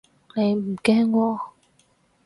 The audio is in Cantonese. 你唔驚喎